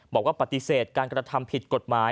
บอกว่าปฏิเสธการกระทำผิดกฎหมาย